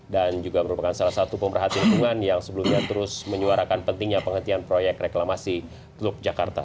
dan juga merupakan salah satu pemerhatian lingkungan yang sebelumnya terus menyuarakan pentingnya penghentian proyek reklamasi teluk jakarta